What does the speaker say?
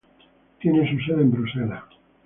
Tiene su sede en Bruselas.